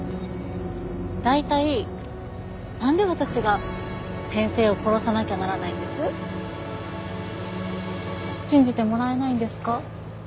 大体なんで私が先生を殺さなきゃならないんです？信じてもらえないんですか？